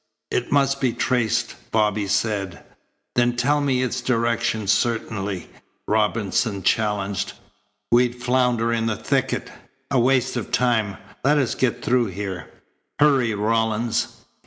"It must be traced," Bobby said. "Then tell me its direction certainly," Robinson challenged. "We'd flounder in the thicket. A waste of time. Let us get through here. Hurry, Rawlins!"